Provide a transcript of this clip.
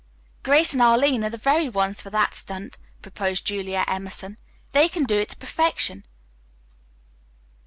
"Grace and Arline are the very ones for that stunt," proposed Julia Emerson. "They can do it to perfection."